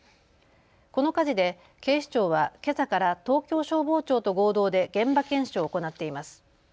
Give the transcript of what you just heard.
この火事で警視庁はけさから東京消防庁と合同で現場検証を行っています。